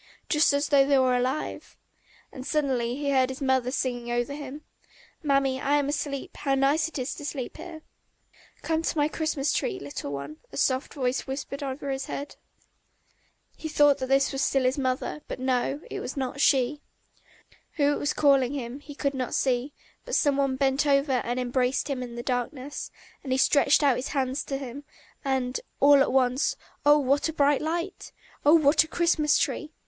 "Just as though they were alive!..." And suddenly he heard his mother singing over him. "Mammy, I am asleep; how nice it is to sleep here!" "Come to my Christmas tree, little one," a soft voice suddenly whispered over his head. He thought that this was still his mother, but no, it was not she. Who it was calling him, he could not see, but some one bent over and embraced him in the darkness; and he stretched out his hands to him, and ... and all at once oh, what a bright light! Oh, what a Christmas tree!